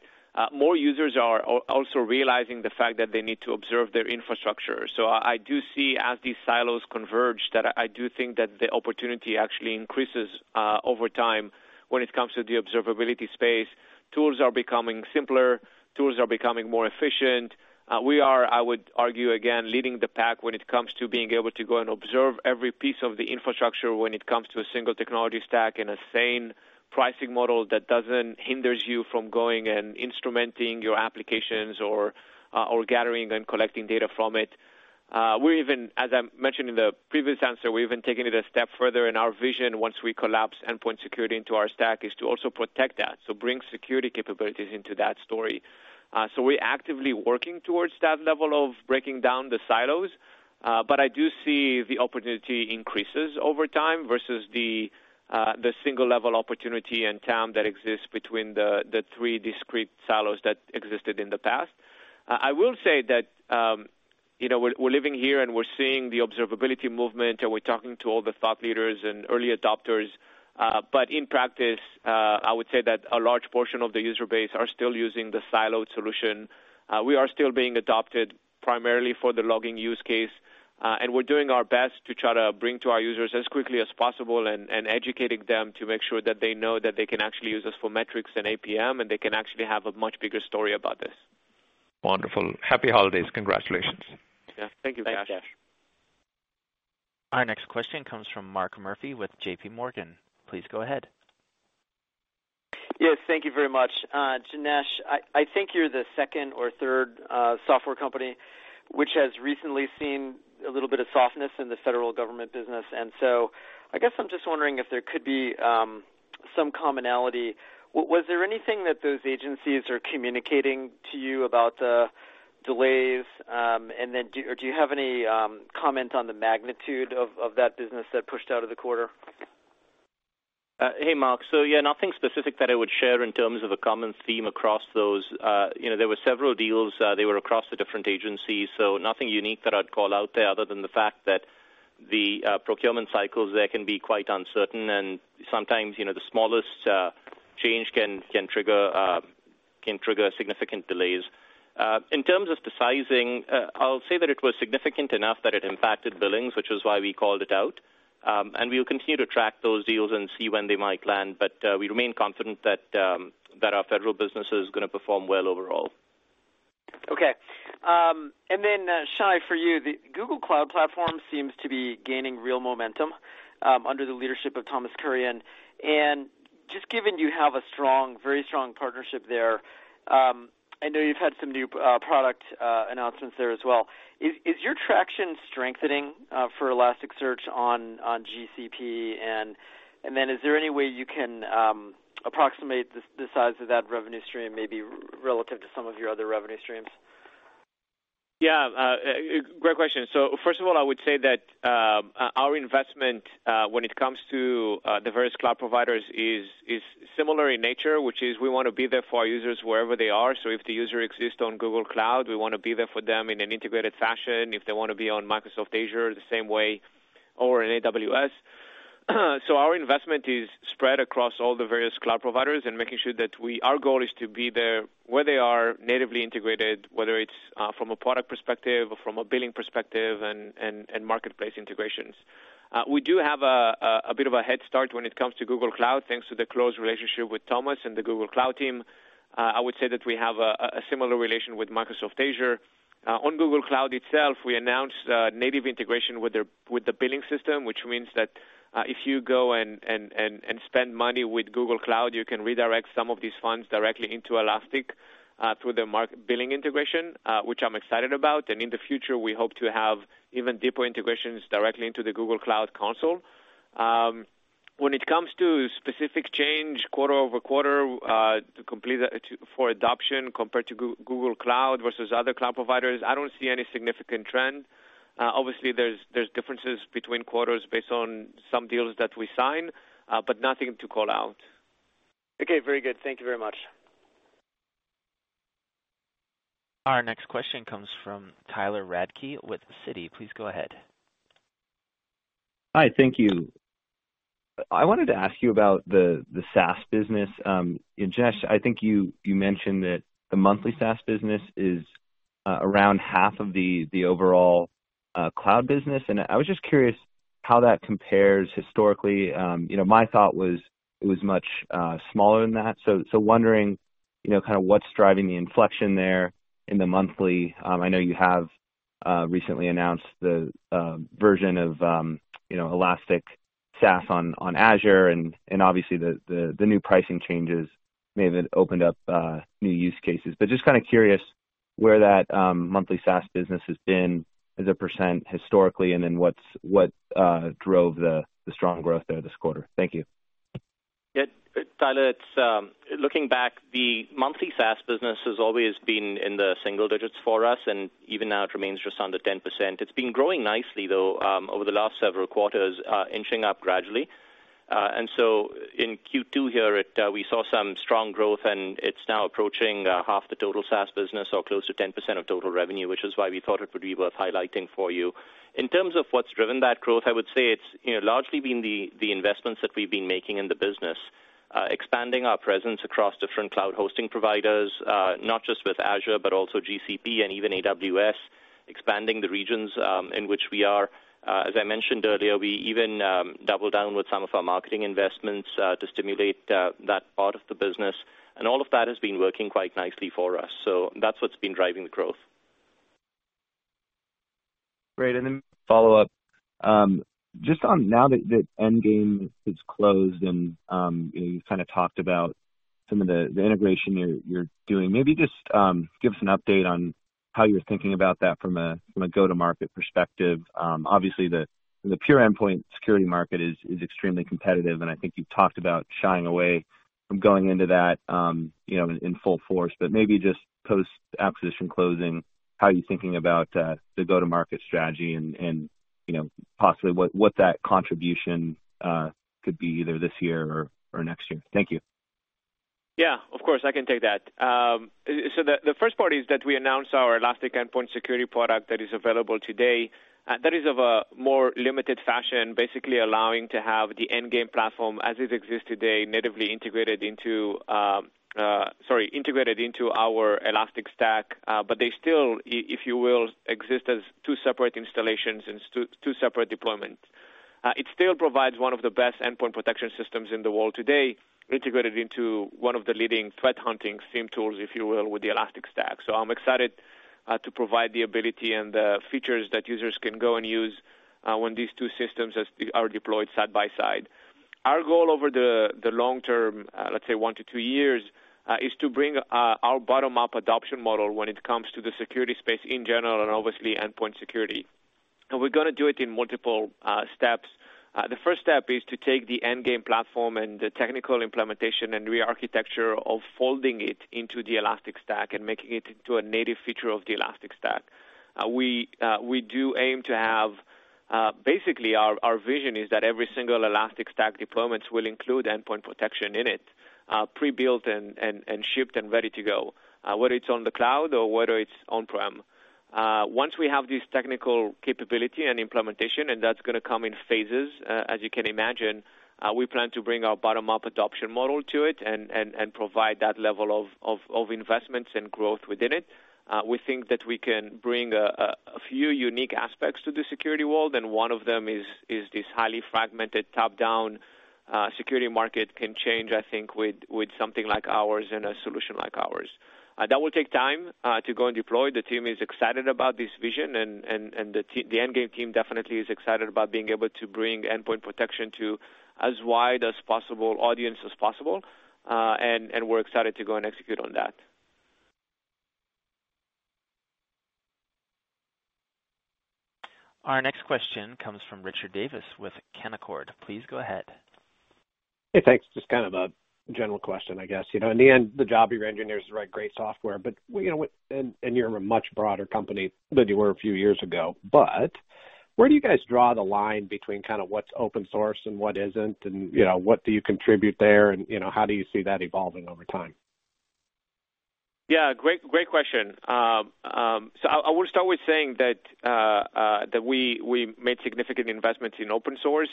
more users are also realizing the fact that they need to observe their infrastructure. I do see as these silos converge, that I do think that the opportunity actually increases over time when it comes to the observability space. Tools are becoming simpler, tools are becoming more efficient. We are, I would argue, again, leading the pack when it comes to being able to go and observe every piece of the infrastructure when it comes to a single technology stack and a sane pricing model that doesn't hinders you from going and instrumenting your applications or gathering and collecting data from it. We even, as I mentioned in the previous answer, we even taken it a step further in our vision once we collapse endpoint security into our stack, is to also protect that, so bring security capabilities into that story. We're actively working towards that level of breaking down the silos. I do see the opportunity increases over time versus the single level opportunity and TAM that exists between the three discrete silos that existed in the past. I will say that we're living here and we're seeing the observability movement, and we're talking to all the thought leaders and early adopters. In practice, I would say that a large portion of the user base are still using the siloed solution. We are still being adopted primarily for the logging use case, and we're doing our best to try to bring to our users as quickly as possible and educating them to make sure that they know that they can actually use us for metrics and APM, and they can actually have a much bigger story about this. Wonderful. Happy holidays. Congratulations. Yeah. Thank you, Kash. Thanks, Kash. Our next question comes from Mark Murphy with JP Morgan. Please go ahead. Yes, thank you very much. Janesh, I think you're the second or third software company which has recently seen a little bit of softness in the federal government business. I guess I'm just wondering if there could be some commonality. Was there anything that those agencies are communicating to you about delays? Do you have any comment on the magnitude of that business that pushed out of the quarter? Hey, Mark. Yeah, nothing specific that I would share in terms of a common theme across those. There were several deals, they were across the different agencies, nothing unique that I'd call out there other than the fact that the procurement cycles there can be quite uncertain and sometimes, the smallest change can trigger significant delays. In terms of the sizing, I'll say that it was significant enough that it impacted billings, which is why we called it out. We'll continue to track those deals and see when they might land. We remain confident that our federal business is going to perform well overall. Okay. Shay, for you, the Google Cloud Platform seems to be gaining real momentum, under the leadership of Thomas Kurian. Given you have a very strong partnership there, I know you've had some new product announcements there as well. Is your traction strengthening, for Elasticsearch on GCP? Is there any way you can approximate the size of that revenue stream, maybe relative to some of your other revenue streams? Yeah. Great question. First of all, I would say that our investment, when it comes to the various cloud providers is similar in nature, which is we want to be there for our users wherever they are. If the user exists on Google Cloud, we want to be there for them in an integrated fashion. If they want to be on Microsoft Azure, the same way, or in AWS. Our investment is spread across all the various cloud providers and making sure that our goal is to be there where they are natively integrated, whether it's from a product perspective or from a billing perspective and marketplace integrations. We do have a bit of a head start when it comes to Google Cloud, thanks to the close relationship with Thomas and the Google Cloud team. I would say that we have a similar relation with Microsoft Azure. On Google Cloud itself, we announced native integration with the billing system, which means that, if you go and spend money with Google Cloud, you can redirect some of these funds directly into Elastic, through the billing integration, which I'm excited about. In the future, we hope to have even deeper integrations directly into the Google Cloud console. When it comes to specific change quarter-over-quarter, to compete for adoption compared to Google Cloud versus other cloud providers, I don't see any significant trend. Obviously, there's differences between quarters based on some deals that we sign, but nothing to call out. Okay, very good. Thank you very much. Our next question comes from Tyler Radke with Citi. Please go ahead. Hi. Thank you. I wanted to ask you about the SaaS business. Janesh, I think you mentioned that the monthly SaaS business is around half of the overall cloud business. I was just curious how that compares historically. My thought was, it was much smaller than that. Wondering, kind of what's driving the inflection there in the monthly. I know you have recently announced the version of Elastic Cloud on Azure. Obviously the new pricing changes may have opened up new use cases. Just kind of curious where that monthly SaaS business has been as a % historically, then what drove the strong growth there this quarter. Thank you. Tyler, looking back, the monthly SaaS business has always been in the single digits for us, and even now it remains just under 10%. It's been growing nicely though, over the last several quarters, inching up gradually. In Q2 here, we saw some strong growth, and it's now approaching half the total SaaS business or close to 10% of total revenue, which is why we thought it would be worth highlighting for you. In terms of what's driven that growth, I would say it's largely been the investments that we've been making in the business. Expanding our presence across different cloud hosting providers, not just with Azure, but also GCP and even AWS, expanding the regions, in which we are. As I mentioned earlier, we even doubled down with some of our marketing investments to stimulate that part of the business, and all of that has been working quite nicely for us. That's what's been driving the growth. Great, then follow up. Just on now that Endgame is closed and you kind of talked about some of the integration you're doing, maybe just give us an update on how you're thinking about that from a go-to-market perspective. Obviously, the pure Elastic Endpoint Security market is extremely competitive, and I think you've talked about shying away from going into that in full force. Maybe just post acquisition closing, how you're thinking about the go-to-market strategy and possibly what that contribution could be either this year or next year. Thank you. Yeah, of course. I can take that. The first part is that we announced our Elastic Endpoint Security product that is available today. That is of a more limited fashion, basically allowing to have the Endgame platform as it exists today, natively integrated into our Elastic Stack. They still, if you will, exist as two separate installations and two separate deployments. It still provides one of the best endpoint protection systems in the world today, integrated into one of the leading threat hunting SIEM tools, if you will, with the Elastic Stack. I'm excited to provide the ability and the features that users can go and use when these two systems are deployed side by side. Our goal over the long term, let's say one to two years, is to bring our bottom-up adoption model when it comes to the security space in general, and obviously endpoint security. We're going to do it in multiple steps. The first step is to take the Endgame platform and the technical implementation and re-architecture of folding it into the Elastic Stack and making it into a native feature of the Elastic Stack. Basically, our vision is that every single Elastic Stack deployments will include endpoint protection in it, pre-built and shipped and ready to go, whether it's on the cloud or whether it's on-prem. Once we have this technical capability and implementation, and that's going to come in phases, as you can imagine, we plan to bring our bottom-up adoption model to it and provide that level of investments and growth within it. We think that we can bring a few unique aspects to the security world, and one of them is this highly fragmented top-down security market can change, I think, with something like ours and a solution like ours. That will take time to go and deploy. The team is excited about this vision and the Endgame team definitely is excited about being able to bring endpoint protection to as wide as possible audience as possible. We're excited to go and execute on that. Our next question comes from Richard Davis with Canaccord. Please go ahead. Hey, thanks. Just kind of a general question, I guess. In the end, the job of your engineers is to write great software, and you're a much broader company than you were a few years ago. Where do you guys draw the line between kind of what's open source and what isn't, and what do you contribute there and how do you see that evolving over time? Yeah. Great question. I will start with saying that we made significant investments in open source.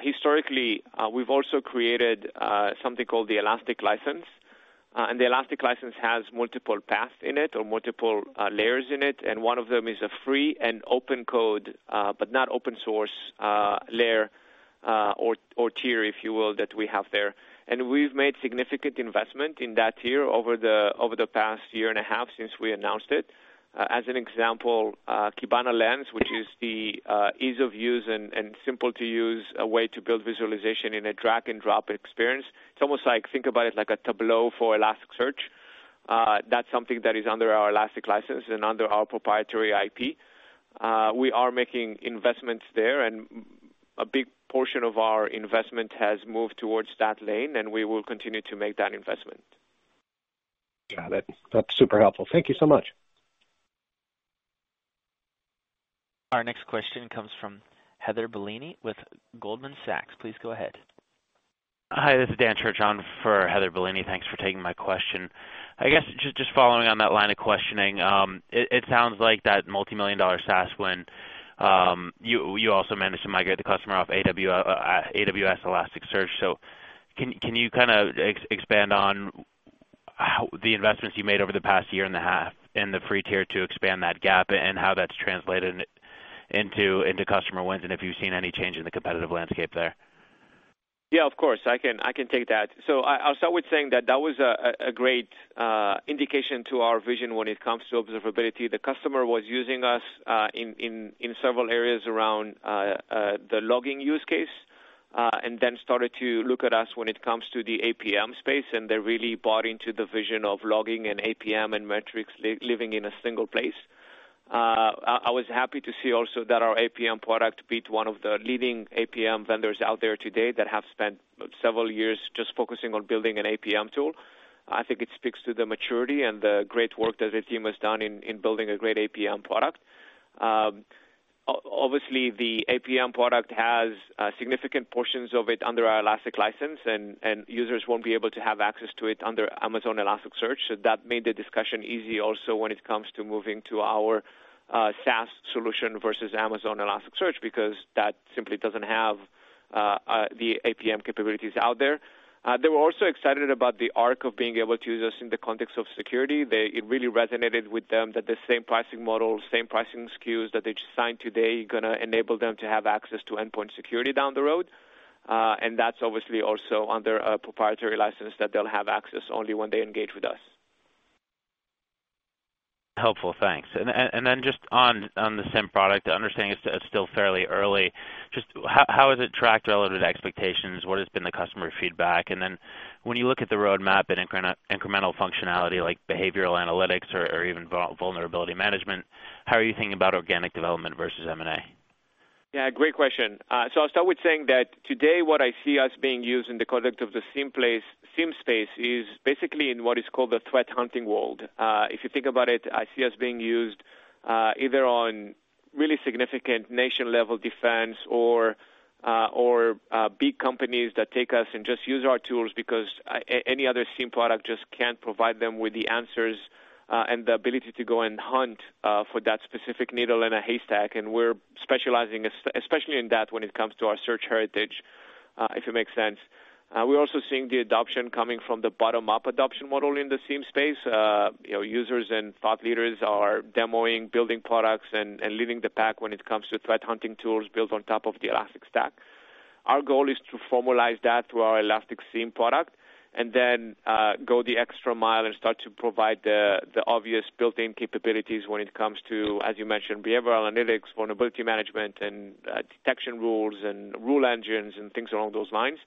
Historically, we've also created something called the Elastic License. The Elastic License has multiple paths in it or multiple layers in it, and one of them is a free and open code, but not open source, layer, or tier, if you will, that we have there. We've made significant investment in that tier over the past year and a half since we announced it. As an example, Kibana Lens, which is the ease of use and simple to use way to build visualization in a drag and drop experience. It's almost like, think about it like a Tableau for Elasticsearch. That's something that is under our Elastic License and under our proprietary IP. We are making investments there, a big portion of our investment has moved towards that lane, we will continue to make that investment. Got it. That's super helpful. Thank you so much. Our next question comes from Heather Bellini with Goldman Sachs. Please go ahead. Hi, this is Dan Church on for Heather Bellini. Thanks for taking my question. I guess, just following on that line of questioning. It sounds like that multimillion-dollar SaaS win, you also managed to migrate the customer off AWS Elasticsearch. Can you kind of expand on the investments you made over the past year and a half in the free tier to expand that gap and how that's translated into customer wins, and if you've seen any change in the competitive landscape there? Yeah, of course. I can take that. I'll start with saying that that was a great indication to our vision when it comes to observability. The customer was using us in several areas around the logging use case, and then started to look at us when it comes to the APM space, and they really bought into the vision of logging and APM and metrics living in a single place. I was happy to see also that our APM product beat one of the leading APM vendors out there today that have spent several years just focusing on building an APM tool. I think it speaks to the maturity and the great work that the team has done in building a great APM product. The APM product has significant portions of it under our Elastic License, and users won't be able to have access to it under Amazon Elasticsearch. That made the discussion easy also when it comes to moving to our SaaS solution versus Amazon Elasticsearch, because that simply doesn't have the APM capabilities out there. They were also excited about the arc of being able to use us in the context of security. It really resonated with them that the same pricing model, same pricing SKUs that they just signed today, going to enable them to have access to Endpoint Security down the road. That's obviously also under a proprietary license that they'll have access only when they engage with us. Helpful. Thanks. Just on the SIEM product, I understand it's still fairly early. Just how has it tracked relative to expectations? What has been the customer feedback? When you look at the roadmap and incremental functionality like behavioral analytics or even vulnerability management, how are you thinking about organic development versus M&A? Yeah, great question. I'll start with saying that today what I see us being used in the context of the SIEM space is basically in what is called the threat hunting world. If you think about it, I see us being used, either on really significant nation-level defense or big companies that take us and just use our tools because any other SIEM product just can't provide them with the answers, and the ability to go and hunt for that specific needle in a haystack. We're specializing, especially in that when it comes to our search heritage, if it makes sense. We're also seeing the adoption coming from the bottom-up adoption model in the SIEM space. Users and thought leaders are demoing, building products, and leading the pack when it comes to threat hunting tools built on top of the Elastic Stack. Our goal is to formalize that through our Elastic SIEM product and then, go the extra mile and start to provide the obvious built-in capabilities when it comes to, as you mentioned, behavioral analytics, vulnerability management and detection rules and rule engines and things along those lines.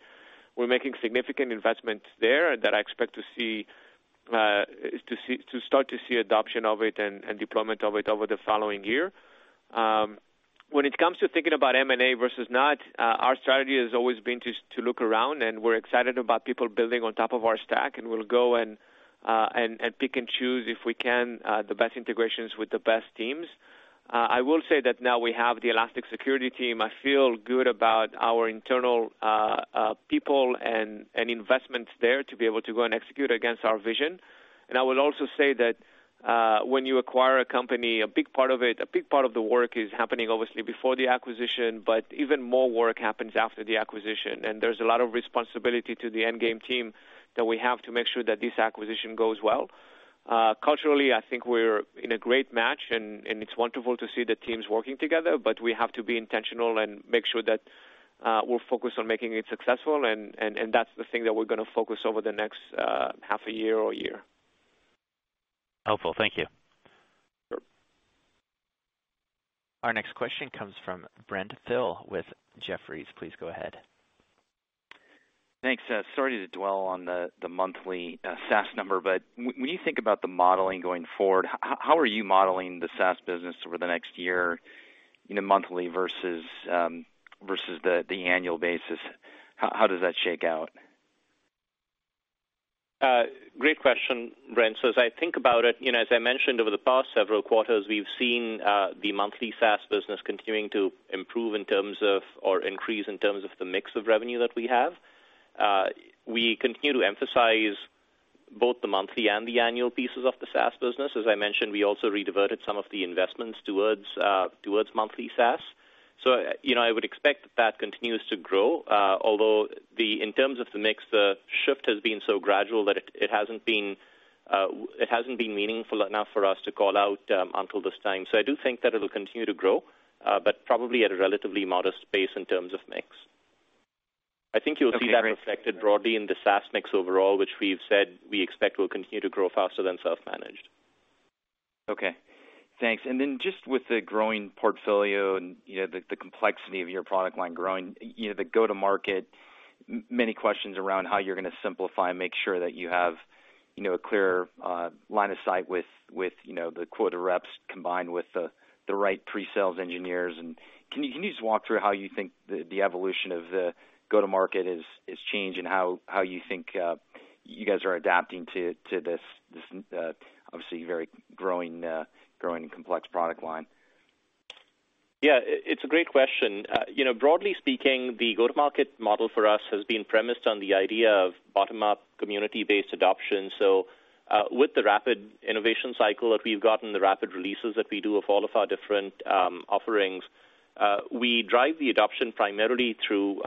We're making significant investments there that I expect to start to see adoption of it and deployment of it over the following year. When it comes to thinking about M&A versus not, our strategy has always been to look around, and we're excited about people building on top of our stack. We'll go and pick and choose, if we can, the best integrations with the best teams. I will say that now we have the Elastic Security Team. I feel good about our internal people and investments there to be able to go and execute against our vision. I will also say that when you acquire a company, a big part of the work is happening obviously before the acquisition, but even more work happens after the acquisition. There's a lot of responsibility to the Endgame team that we have to make sure that this acquisition goes well. Culturally, I think we're in a great match, and it's wonderful to see the teams working together, but we have to be intentional and make sure that we're focused on making it successful. That's the thing that we're going to focus over the next half a year or year. Helpful. Thank you. Sure. Our next question comes from Brent Thill with Jefferies. Please go ahead. Thanks. Sorry to dwell on the monthly SaaS number, but when you think about the modeling going forward, how are you modeling the SaaS business over the next year, in a monthly versus the annual basis? How does that shake out? Great question, Brent. As I think about it, as I mentioned over the past several quarters, we've seen the monthly SaaS business continuing to improve or increase in terms of the mix of revenue that we have. We continue to emphasize both the monthly and the annual pieces of the SaaS business. As I mentioned, we also rediverted some of the investments towards monthly SaaS. I would expect that continues to grow. Although, in terms of the mix, the shift has been so gradual that it hasn't been meaningful enough for us to call out until this time. I do think that it'll continue to grow, but probably at a relatively modest pace in terms of mix. I think you'll see that reflected broadly in the SaaS mix overall, which we've said we expect will continue to grow faster than self-managed. Okay. Thanks. Then just with the growing portfolio and the complexity of your product line growing, the go-to-market, many questions around how you're going to simplify and make sure that you have a clear line of sight with the quota reps combined with the right pre-sales engineers. Can you just walk through how you think the evolution of the go-to-market is changing? How you think you guys are adapting to this obviously very growing complex product line? Yeah. It's a great question. Broadly speaking, the go-to-market model for us has been premised on the idea of bottom-up, community-based adoption. With the rapid innovation cycle that we've gotten, the rapid releases that we do of all of our different offerings, we drive the adoption primarily through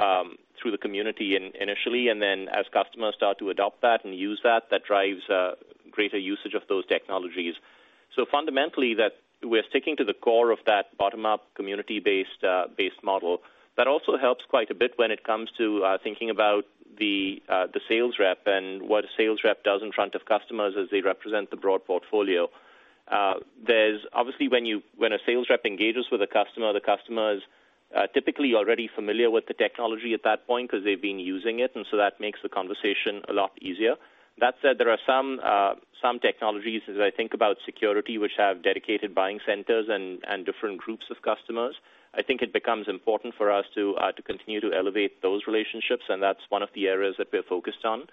the community initially, and then as customers start to adopt that and use that drives greater usage of those technologies. Fundamentally, we're sticking to the core of that bottom-up, community-based model. That also helps quite a bit when it comes to thinking about the sales rep and what a sales rep does in front of customers as they represent the broad portfolio. Obviously, when a sales rep engages with a customer, the customer is typically already familiar with the technology at that point because they've been using it, and so that makes the conversation a lot easier. That said, there are some technologies, as I think about security, which have dedicated buying centers and different groups of customers. I think it becomes important for us to continue to elevate those relationships, and that's one of the areas that we're focused on.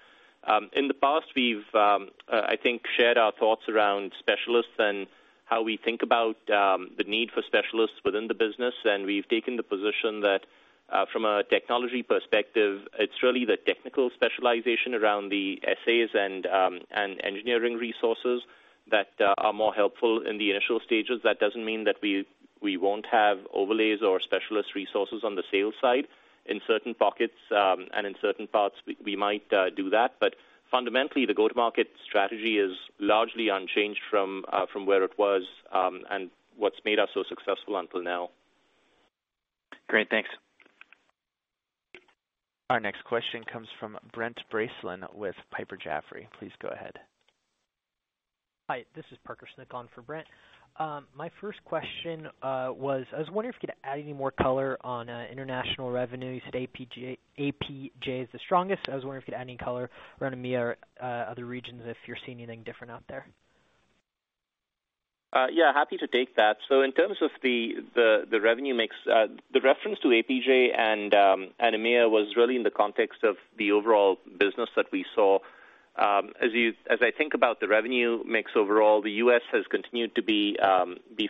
In the past, we've, I think, shared our thoughts around specialists and how we think about the need for specialists within the business, and we've taken the position that from a technology perspective, it's really the technical specialization around the SAs and engineering resources that are more helpful in the initial stages. That doesn't mean that we won't have overlays or specialist resources on the sales side. In certain pockets, and in certain parts, we might do that. Fundamentally, the go-to-market strategy is largely unchanged from where it was, and what's made us so successful until now. Great. Thanks. Our next question comes from Brent Bracelin with Piper Jaffray. Please go ahead. Hi. This is Parker Snick on for Brent. My first question was, I was wondering if you could add any more color on international revenue. You said APJ is the strongest. I was wondering if you had any color around EMEA or other regions, if you're seeing anything different out there. Yeah, happy to take that. In terms of the revenue mix, the reference to APJ and EMEA was really in the context of the overall business that we saw. As I think about the revenue mix overall, the U.S. has continued to be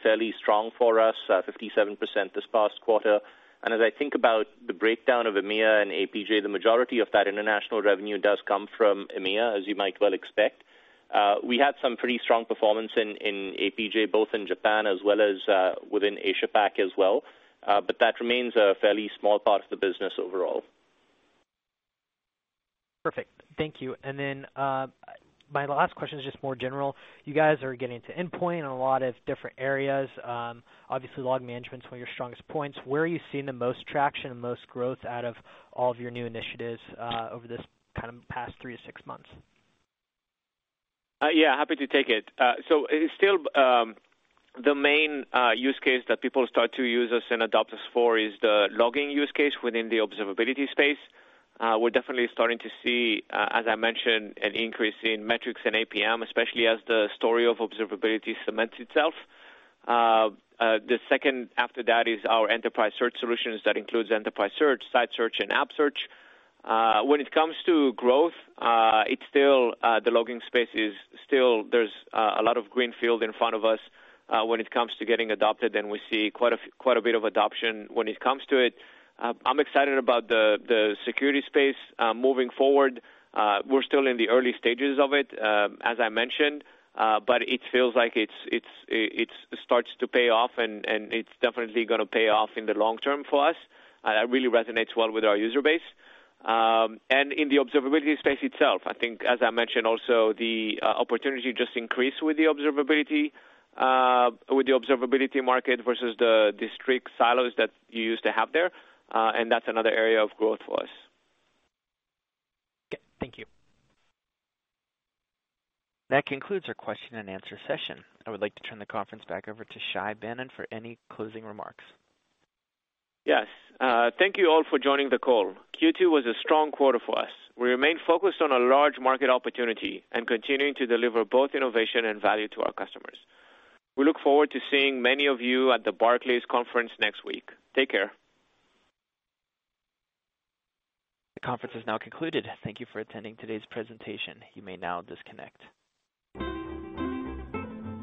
fairly strong for us, 57% this past quarter. As I think about the breakdown of EMEA and APJ, the majority of that international revenue does come from EMEA, as you might well expect. We had some pretty strong performance in APJ, both in Japan as well as within Asia Pac as well. That remains a fairly small part of the business overall. Perfect. Thank you. My last question is just more general. You guys are getting to endpoint in a lot of different areas. Obviously, log management's one of your strongest points. Where are you seeing the most traction and most growth out of all of your new initiatives over this kind of past three to six months? Yeah, happy to take it. It's still the main use case that people start to use us and adopt us for is the logging use case within the observability space. We're definitely starting to see, as I mentioned, an increase in metrics in APM, especially as the story of observability cements itself. The second after that is our enterprise search solutions. That includes enterprise search, site search, and App Search. When it comes to growth, the logging space is still, there's a lot of greenfield in front of us when it comes to getting adopted, and we see quite a bit of adoption when it comes to it. I'm excited about the security space moving forward. We're still in the early stages of it, as I mentioned. It feels like it starts to pay off, and it's definitely going to pay off in the long term for us. That really resonates well with our user base. In the observability space itself, I think, as I mentioned also, the opportunity just increased with the observability market versus the strict silos that you used to have there. That's another area of growth for us. Okay. Thank you. That concludes our question and answer session. I would like to turn the conference back over to Shay Banon for any closing remarks. Yes. Thank you all for joining the call. Q2 was a strong quarter for us. We remain focused on a large market opportunity and continuing to deliver both innovation and value to our customers. We look forward to seeing many of you at the Barclays conference next week. Take care. The conference is now concluded. Thank you for attending today's presentation. You may now disconnect.